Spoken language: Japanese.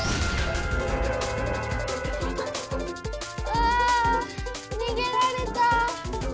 あぁにげられた。